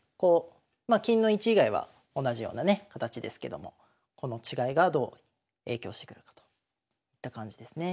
まあ金の位置以外は同じようなね形ですけどもこの違いがどう影響してくるのかといった感じですね。